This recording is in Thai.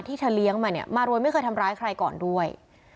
เธอเลี้ยงมาเนี่ยมารวยไม่เคยทำร้ายใครก่อนด้วย